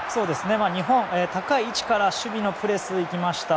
日本、高い位置から守備のプレス行きました。